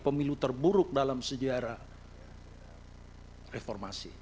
pemilu terburuk dalam sejarah reformasi